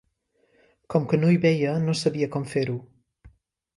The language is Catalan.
Com que no hi veia, no sabia com fer-ho.